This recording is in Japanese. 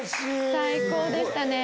最高でしたね。